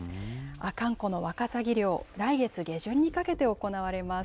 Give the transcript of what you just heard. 阿寒湖のワカサギ漁、来月下旬にかけて行われます。